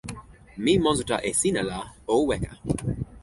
mi monsuta e sina, la o weka.